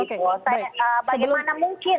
oke baik sebelumnya